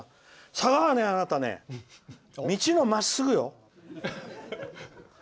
佐賀は、あなた、道もまっすぐよ。